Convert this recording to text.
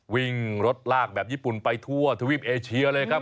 วิ่งรถลากแบบญี่ปุ่นไปทั่วทวีปเอเชียเลยครับ